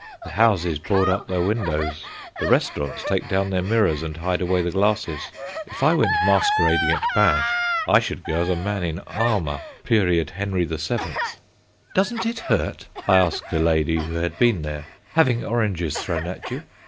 The houses board up their windows. The restaurants take down their mirrors and hide away the glasses. If I went masquerading at Binche I should go as a man in armour, period Henry the Seventh. "Doesn't it hurt," I asked a lady who had been there, "having oranges thrown at you?